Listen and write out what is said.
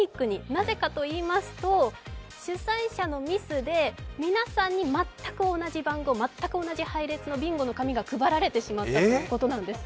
なぜかと言いますと、主催者のミスで皆さんに全く同じ番号全く同じ配列のビンゴの紙が配られてしまったということです。